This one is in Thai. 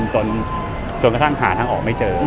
จนกระทั่งหาทางออกไม่เจอ